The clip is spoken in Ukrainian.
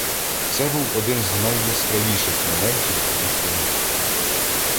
Це був один з найяскравіших моментів в їхньому житті.